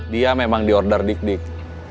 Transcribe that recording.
dia memang di order dik dik